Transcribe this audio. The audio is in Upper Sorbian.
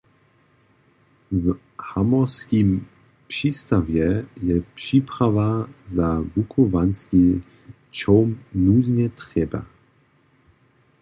W Hamorskim přistawje je připrawa za wuchowanski čołm nuznje trěbna.